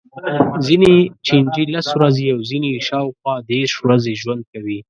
ځینې چینجي لس ورځې او ځینې یې شاوخوا دېرش ورځې ژوند کوي.